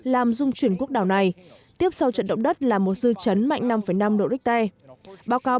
làm dung chuyển quốc đảo này tiếp sau trận động đất là một dư chấn mạnh năm năm độ richter báo cáo